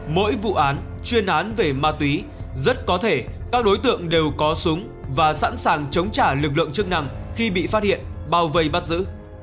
mỗi vụ án chuyên án về ma túy rất có thể các đối tượng đều có súng và sẵn sàng chống trả lực lượng chức năng khi bị phát hiện bao vây bắt giữ